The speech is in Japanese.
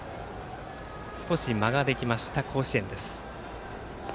少し間ができました、甲子園。